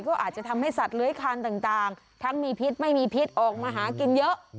ก็อาจจะทำให้สัตว์เลื้อยคานต่างทั้งมีพิษไม่มีพิษออกมาหากินเยอะ